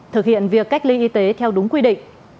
thực hiện việc cách ly y tế theo đúng quy định